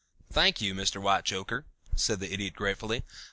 "Thank you, Mr. Whitechoker," said the Idiot gratefully.